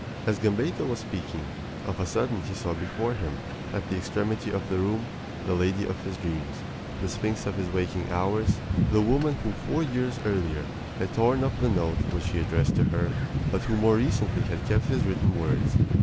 As Gambetta was speaking, of a sudden he saw before him, at the extremity of the room, the lady of his dreams, the sphinx of his waking hours, the woman who four years earlier had torn up the note which he addressed to her, but who more recently had kept his written words.